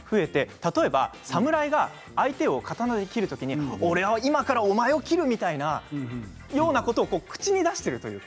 例えば侍が相手を刀で斬る時に俺は今からお前を斬るようなことを口に出しているというか。